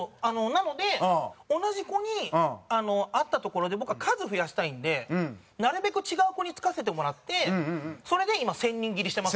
なので同じ子に会ったところで僕は数を増やしたいんでなるべく違う子につかせてもらってそれで今１０００人斬りしてますね。